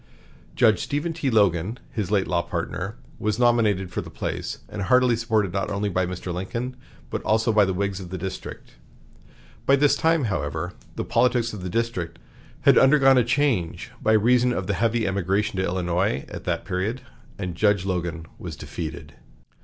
Judge Stephen T. Logan, his late law partner, was nominated for the place, and heartily supported not only by Mr. Lincoln, but also by the Whigs of the district. By this time, however, the politics of the district had undergone a change by reason of the heavy emigration to Illinois at that period, and Judge Logan was defeated.